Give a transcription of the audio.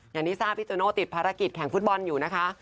อย่างที่ทราบพี่โตโน่ติดภารกิจแข่งฟุตบอลอยู่นะคะ